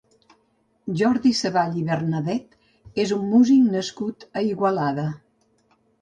Jordi Savall i Bernadet és un músic nascut a Igualada.